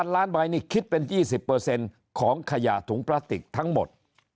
ล้านใบนี่คิดเป็น๒๐ของขยะถุงพลาสติกทั้งหมด